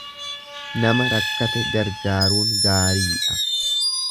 Nama rakkate gargaaruun gaarii dha.